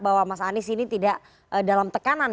bahwa mas anies ini tidak dalam tekanan